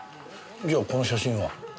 じゃあこの写真は？